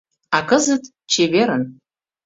А кызыт — чеверын!..